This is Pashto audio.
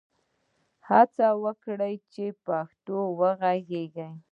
هڅه وکړئ په پښتو وږغېږئ.